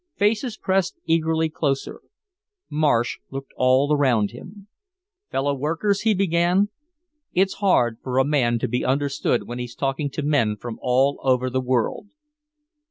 Faces pressed eagerly closer. Marsh looked all around him. "Fellow workers," he began, "it's hard for a man to be understood when he's talking to men from all over the world."